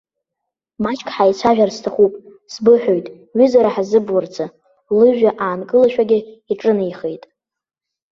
Маҷк ҳаицәажәар сҭахуп, сбыҳәоит ҩызара ҳзыбурацы, лыжәҩа аанкылашәагьы иҿынеихеит.